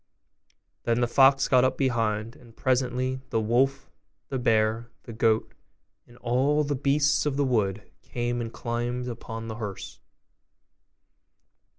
Then the fox got up behind; and presently the wolf, the bear, the goat, and all the beasts of the wood, came and climbed upon the hearse.